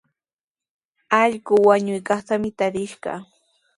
Allqu wañunaykaqtami tarishqaa.